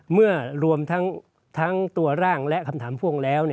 เมื่อรวมทั้งตัวร่างและคำถามพ่วงแล้ว